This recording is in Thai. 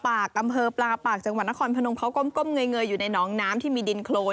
อำเภอปลาปากจังหวัดนครพนมเขาก้มเงยอยู่ในน้องน้ำที่มีดินโครน